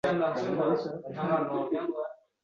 Yolg’iz manim desa fikrat